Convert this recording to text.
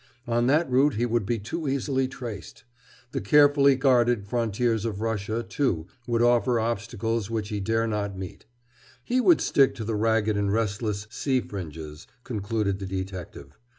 On that route he would be too easily traced. The carefully guarded frontiers of Russia, too, would offer obstacles which he dare not meet. He would stick to the ragged and restless sea fringes, concluded the detective.